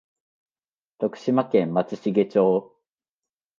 徳島県松茂町